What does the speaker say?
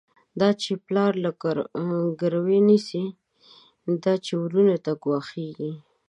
دا چی پلار له ګروی نيسی، دا چی وروڼو ته ګواښيږی